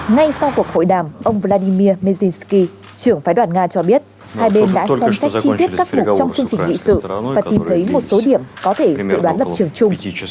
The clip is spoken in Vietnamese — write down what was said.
ngay sau cuộc hội đàm ông vladimir melsky trưởng phái đoàn nga cho biết hai bên đã xem xét chi tiết các mục trong chương trình nghị sự và tìm thấy một số điểm có thể dự đoán lập trường chung